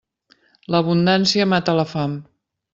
L'abundància mata la fam.